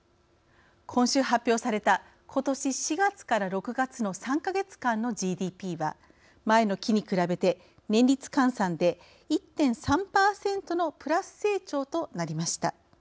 今週発表されたことし４月から６月の３か月間のＧＤＰは前の期に比べて年率換算で１．３％のプラス成長となりました。